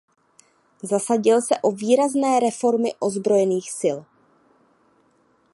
Zasadil se o výrazné reformy ozbrojených sil.